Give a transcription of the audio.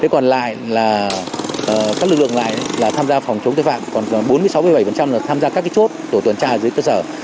còn lại là các lực lượng ngoài tham gia